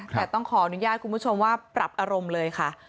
แต่ต้องขออนุญาตคุณผู้ชมว่าปรับอารมณ์เลยค่ะ